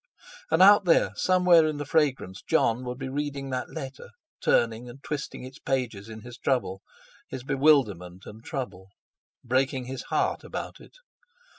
And out there somewhere in the fragrance Jon would be reading that letter, turning and twisting its pages in his trouble, his bewilderment and trouble—breaking his heart about it!